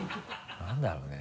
何だろうね？